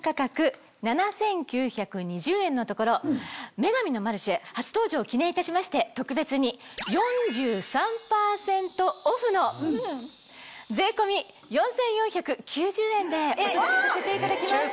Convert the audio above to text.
『女神のマルシェ』初登場を記念いたしまして特別に４３％オフの税込み４４９０円でお届けさせていただきます。